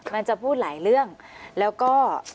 มันจะพูดหลายเรื่องแล้วก็